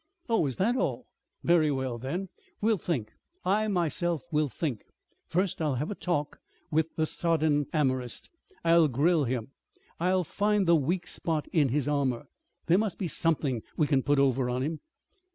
"Oh, is that all? Very well then; we'll think. I, myself, will think. First, I'll have a talk with the sodden amorist. I'll grill him. I'll find the weak spot in his armor. There must be something we can put over on him."